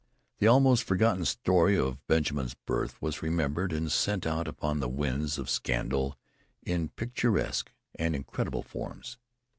The almost forgotten story of Benjamin's birth was remembered and sent out upon the winds of scandal in picaresque and incredible forms.